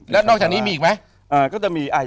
แล้วนอกจากนี้มีอีกไหม